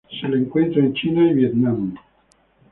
Se lo encuentra en China y Vietnam.